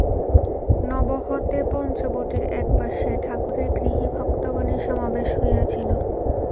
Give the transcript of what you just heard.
নহবতেপঞ্চবটীর একপার্শ্বে ঠাকুরের গৃহী ভক্তগণের সমাবেশ হইয়াছিল।